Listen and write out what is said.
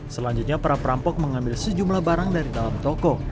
selanjutnya para perampok mengambil sejumlah barang dari dalam toko